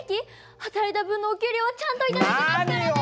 働いた分のお給料はちゃんと頂きますからね！